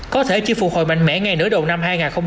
có thể chi phục hồi mạnh mẽ ngay nửa đầu năm hai nghìn hai mươi hai